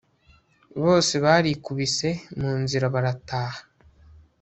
bose barikubise, munzira, barataha